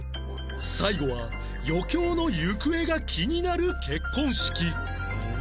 最後は余興の行方が気になる結婚式